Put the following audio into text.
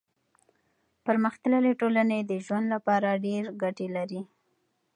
پرمختللي ټولنې د ژوند لپاره ډېر ګټې لري.